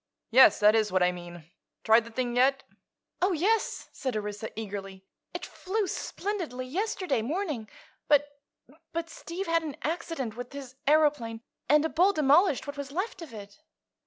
"Yes; that is what I mean. Tried the thing yet?" "Oh, yes," said Orissa eagerly. "It flew splendidly yesterday morning, but—but Steve had an accident with his aëroplane, and a bull demolished what was left of it."